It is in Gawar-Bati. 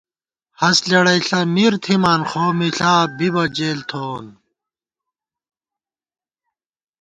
ہست لېڑَئیݪہ مِر تھِمان خو مِݪاں بِبہ جېل، تھووون